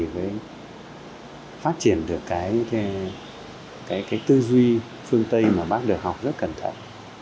mới phát triển được cái tư duy phương tây mà bác được học rất cẩn thận